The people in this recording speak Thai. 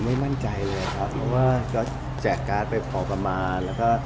ไม่มั่นใจเลยเจาการ์ตไปพอประมาณ